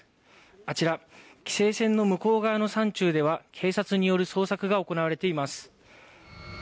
あちら、規制線の向こう側の山中では、警察による捜索が行われています。